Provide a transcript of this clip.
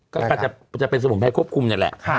ก็จะเป็นสมุนไพรควบคุมนี่แหละ